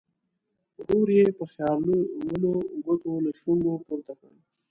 ورو یې په خیالولو ګوتو له شونډو پورته کړ.